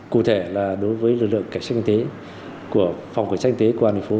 cụ thể là đối với lực lượng cảnh sát kinh tế của phòng cảnh sát kinh tế của an phố